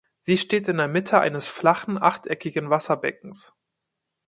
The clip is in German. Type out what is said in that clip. Sie steht in der Mitte eines flachen achteckigen Wasserbeckens.